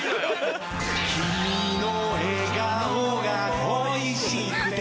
君の笑顔が恋しくて